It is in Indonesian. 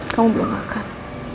kamu belum makan